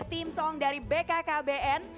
team song dari bkkbn